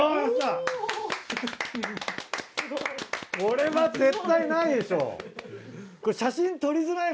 これは絶対ないでしょ。